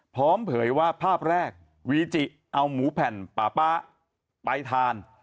เผยว่าภาพแรกวีจิเอาหมูแผ่นป่าป๊าไปทาน